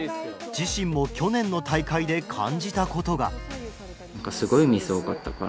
自身も去年の大会で感じた事が。